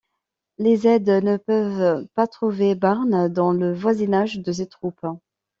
Les aides ne peuvent pas trouver Barnes dans le voisinage de ses troupes.